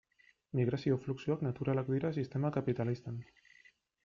Migrazio fluxuak naturalak dira sistema kapitalistan.